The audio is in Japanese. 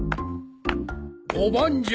５番じゃ。